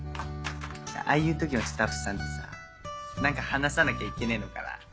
ああいう時のスタッフさんってさ何か話さなきゃいけねえのかな？